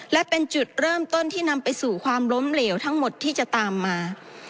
และเป็นจุดเริ่มต้นที่นำไปสู่ความล้มเหลวทั้งหมดที่จะตามมา